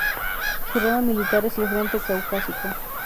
Su rama militar es el Frente Caucásico.